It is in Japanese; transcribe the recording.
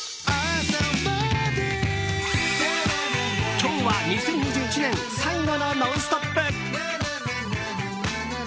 今日は２０２１年最後の「ノンストップ！」。